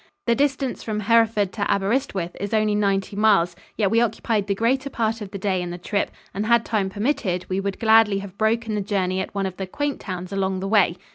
The distance from Hereford to Aberyswith is only ninety miles, yet we occupied the greater part of the day in the trip, and had time permitted, we would gladly have broken the journey at one of the quaint towns along the way.